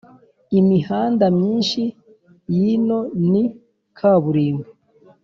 imihanda mwinshi yino ni kaburimbo